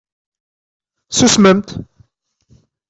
Susmemt!